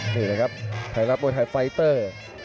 นี่แหละครับไทยรัฐมวยไทยไฟเตอร์